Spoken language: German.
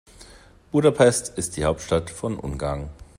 Budapest ist die Hauptstadt von Ungarn.